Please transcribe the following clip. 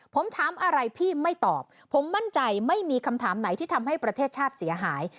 ผมถามอะไรพี่ไม่ตอบผมมั่นใจไม่มีคำถามไหนที่ทำให้ประเทศชาติเสียหาย